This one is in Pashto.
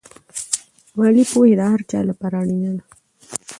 مالي پوهه د هر چا لپاره اړینه ده.